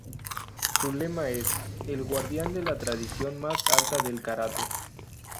Su lema es: "El guardián de la tradición más alta del karate".